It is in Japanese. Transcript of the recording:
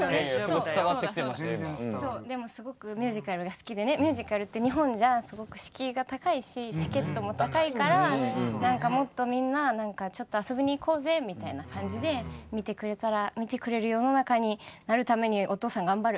でもすごくミュージカルが好きでミュージカルって日本じゃすごく敷居が高いしチケットも高いから何かもっとみんなちょっと遊びに行こうぜみたいな感じで見てくれたら見てくれる世の中になるためにお父さん頑張る！